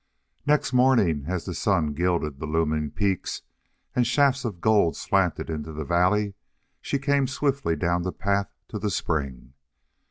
. Next morning as the sun gilded the looming peaks and shafts of gold slanted into the valley she came swiftly down the path to the spring.